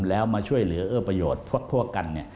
แล้วมาช่วยเหลือเอื้อประโยชน์พวกกัน